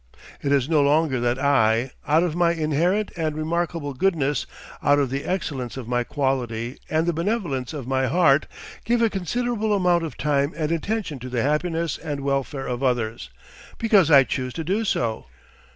It is no longer that I, out of my inherent and remarkable goodness, out of the excellence of my quality and the benevolence of my heart, give a considerable amount of time and attention to the happiness and welfare of others because I choose to do so.